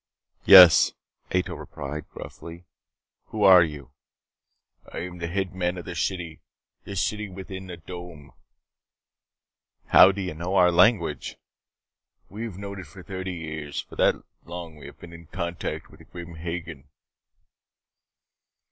"Yes!" Ato replied gruffly. "Who are you?" "I am the head man of the city the city within the dome." "How did you know our language?" "We have known it for thirty years. For that long have we been in contact with Grim Hagen."